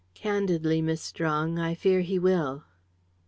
"Candidly, Miss Strong, I fear he will."